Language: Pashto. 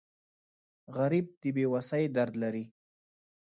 غریب د بې وسۍ درد لري